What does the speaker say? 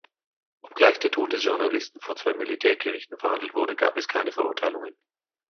Obgleich der Tod des Journalisten vor zwei Militärgerichten verhandelt wurde, gab es keine Verurteilungen.